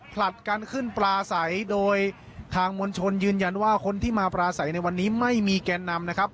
ผลัดกันขึ้นปลาใสโดยทางมวลชนยืนยันว่าคนที่มาปลาใสในวันนี้ไม่มีแกนนำนะครับ